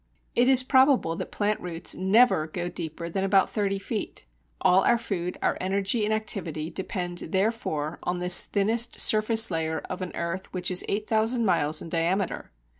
It is probable that plant roots never go deeper than about thirty feet. All our food, our energy, and activity depend therefore on this thinnest surface layer of an earth which is 8000 miles in diameter.